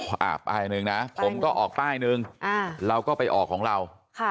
อ่าป้ายหนึ่งนะผมก็ออกป้ายหนึ่งเราก็ไปออกของเรา